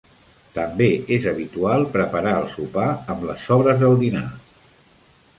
També és habitual preparar el sopar amb les sobres del dinar.